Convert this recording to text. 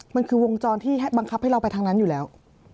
มันคือวงจรที่บังคับให้เราไปทางนั้นอยู่แล้ว